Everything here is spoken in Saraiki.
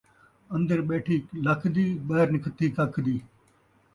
اندر ٻیٹھی لکھ دی، ٻاہر نکھتھی ککھ دی